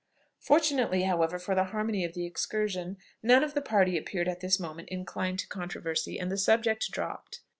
Fortunately, however, for the harmony of the excursion, none of the party appeared at this moment inclined to controversy, and the subject dropped.